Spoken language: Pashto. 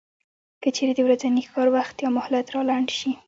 که چېرې د ورځني کار وخت یا مهلت را لنډ شي